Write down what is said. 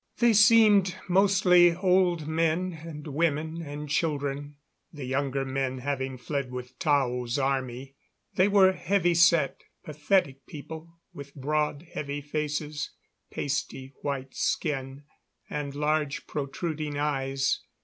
They seemed mostly old men and women and children, the younger men having fled with Tao's army. They were heavy set, pathetic people, with broad, heavy faces, pasty white skin, and large protruding eyes.